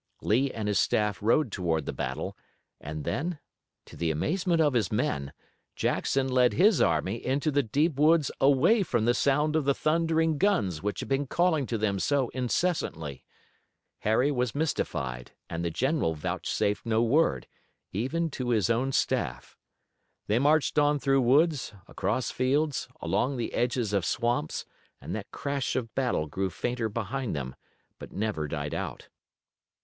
Lee and his staff rode toward the battle, and then, to the amazement of his men, Jackson led his army into the deep woods away from the sound of the thundering guns which had been calling to them so incessantly. Harry was mystified and the general vouchsafed no word, even to his own staff. They marched on through woods, across fields, along the edges of swamps, and that crash of battle grew fainter behind them, but never died out.